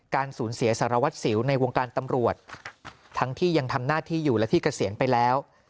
สูญเสียสารวัตรสิวในวงการตำรวจทั้งที่ยังทำหน้าที่อยู่และที่เกษียณไปแล้ว